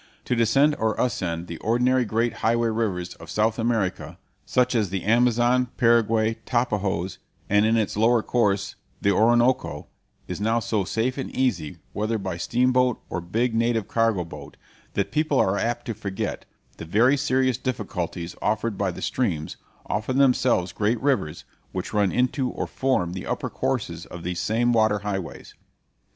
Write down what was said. To descend or ascend the ordinary great highway rivers of South America, such as the Amazon, Paraguay, Tapajos, and, in its lower course, the Orinoco, is now so safe and easy, whether by steam boat or big, native cargo boat, that people are apt to forget the very serious difficulties offered by the streams, often themselves great rivers, which run into or form the upper courses of these same water highways.